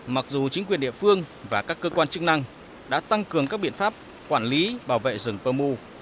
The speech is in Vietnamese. mặc dù chính quyền địa phương và các cơ quan chức năng đã tăng cường các biện pháp quản lý bảo vệ rừng pơ mu